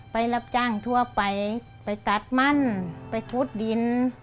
รับจ้างทั่วไปไปตัดมั่นไปทุบดิน